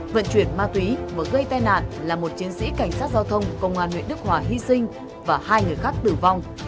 vận chuyển ma túy vừa gây tai nạn là một chiến sĩ cảnh sát giao thông công an huyện đức hòa hy sinh và hai người khác tử vong